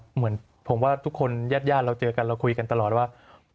เหมือนผมว่าทุกคนญาติญาติเราเจอกันเราคุยกันตลอดว่า